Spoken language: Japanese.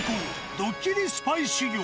ドッキリスパイ修行。